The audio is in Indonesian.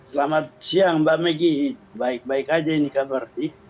selamat siang mbak megi baik baik aja ini kabar